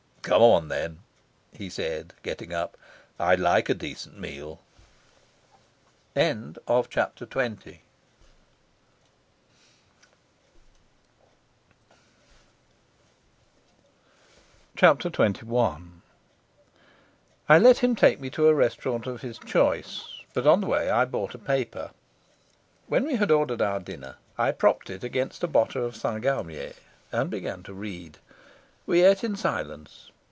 "Come on, then," he said, getting up. "I'd like a decent meal." Chapter XXI I let him take me to a restaurant of his choice, but on the way I bought a paper. When we had ordered our dinner, I propped it against a bottle of St. Galmier and began to read. We ate in silence.